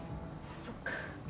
そっか。